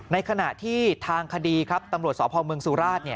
ในขณะที่ทางคดีครับตำรวจสพเมืองสุราช